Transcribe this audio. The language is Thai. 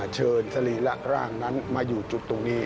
สรีระร่างนั้นมาอยู่จุดตรงนี้